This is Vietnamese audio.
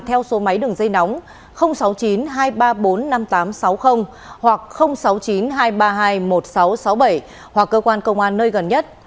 theo số máy đường dây nóng sáu mươi chín hai trăm ba mươi bốn năm nghìn tám trăm sáu mươi hoặc sáu mươi chín hai trăm ba mươi hai một nghìn sáu trăm sáu mươi bảy hoặc cơ quan công an nơi gần nhất